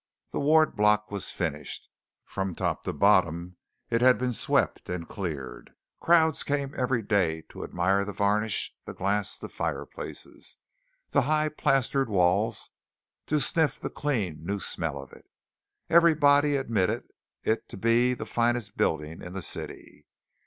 The Ward Block was finished. From top to bottom it had been swept and cleared. Crowds came every day to admire the varnish, the glass, the fireplaces, the high plastered walls; to sniff the clean new smell of it. Everybody admitted it to be the finest building in the city.